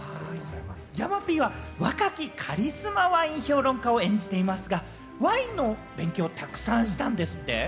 山Ｐは、若きカリスマワイン評論家を演じていますが、ワインの勉強をたくさんしたんですって？